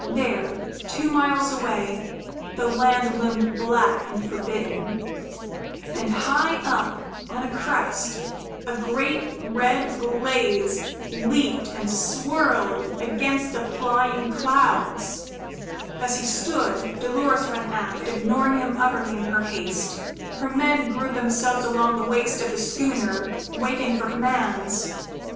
There, two miles away, the land loomed black and forbidding; and high up, on a crest, a great red blaze leaped and swirled against the flying clouds. As he stood, Dolores ran aft, ignoring him utterly in her haste. Her men grouped themselves along the waist of the schooner, waiting for commands.